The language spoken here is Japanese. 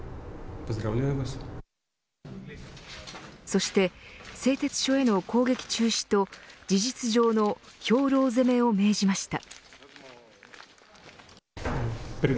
そして製鉄所への攻撃中止と事実上の兵糧攻めを命じました。